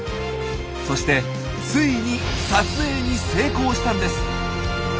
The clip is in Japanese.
そしてついに撮影に成功したんです！